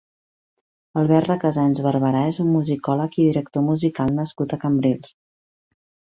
Albert Recasens Barberá és un musicòleg i director musical nascut a Cambrils.